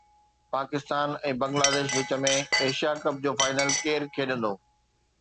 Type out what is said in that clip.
پاڪستان ۽ بنگلاديش وچ ۾ Asia cup جو final ڪير کيڏندو؟